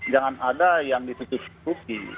jangan ada yang ditutupi